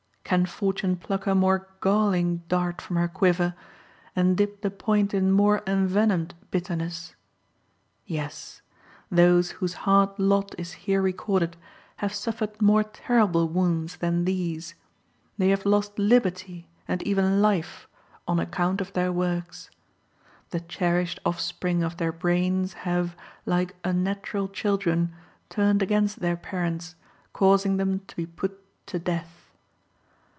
Can Fortune pluck a more galling dart from her quiver, and dip the point in more envenomed bitterness? Yes, those whose hard lot is here recorded have suffered more terrible wounds than these. They have lost liberty, and even life, on account of their works. The cherished offspring of their brains have, like unnatural children, turned against their parents, causing them to be put to death.